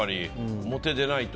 表出ないと。